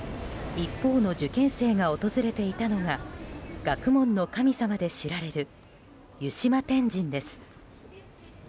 一方の受験生が訪れていたのが学問の神様で知られる湯島天神です。